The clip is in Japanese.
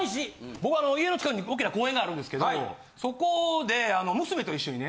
僕あの家の近くに大きな公園があるんですけどそこであの。